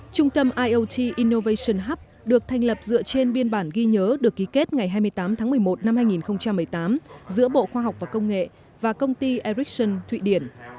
trung tâm iot innovation hub được thành lập dựa trên biên bản ghi nhớ được ký kết ngày hai mươi tám tháng một mươi một năm hai nghìn một mươi tám giữa bộ khoa học và công nghệ và công ty ericsson thụy điển